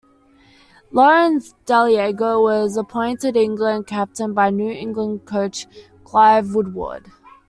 Lawrence Dallaglio was appointed England captain by new England coach Clive Woodward.